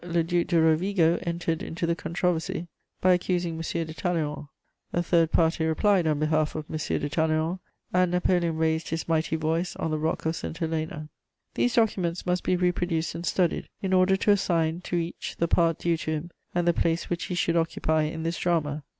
le Duc de Rovigo entered into the controversy by accusing M. de Talleyrand; a third party replied on behalf of M. de Talleyrand; and Napoleon raised his mighty voice on the rock of St. Helena. These documents must be reproduced and studied, in order to assign to each the part due to him and the place which he should occupy in this drama.